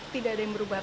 tidak ada yang berubah